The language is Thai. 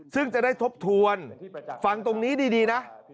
ซึ่งจะได้ทบทวนฟังตรงนี้ดีนะ